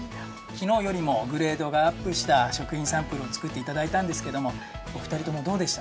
きのうよりもグレードがアップした食品サンプルをつくっていただいたんですけどもおふたりともどうでしたか？